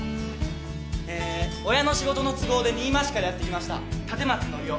えー親の仕事の都合で新間市からやって来ました立松憲男。